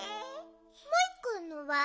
モイくんのは？